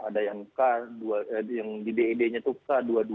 ada yang di ded nya itu k dua ratus dua puluh lima